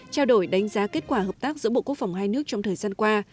trao đổi đánh giá kết quả hợp tác giữa bộ quốc phòng hai nước trong thời gian qua